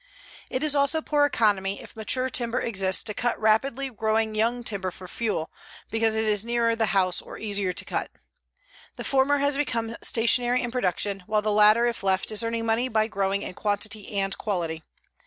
It is also poor economy, if mature timber exists, to cut rapidly growing young timber for fuel because it is nearer the house or easier to cut. The former has become stationary in production, while the latter, if left, is earning money by growing in quantity and quality.